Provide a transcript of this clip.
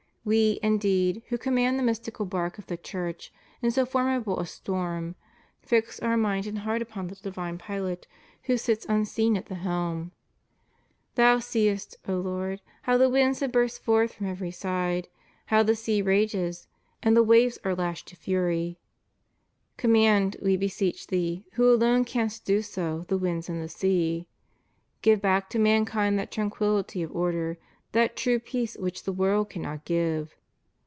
We, indeed, who command the mystical barque of the Church in so formidable a storm, fix Our mind and heart upon the divine Pilot who sits unseen at the helm. Thou seest, O Lord, how the winds have burst forth from every side ; how the sea rages, and the waves are lashed to fury. Conmiand, we beseech Thee, who alone canst do so, the winds and the sea. Give back to mankind that tranquillity of order, that true peace which the world cannot give.